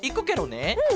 うん！